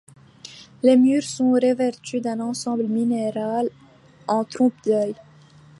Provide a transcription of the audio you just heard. Les murs sont revêtus d'un ensemble minéral en trompe-l'œil.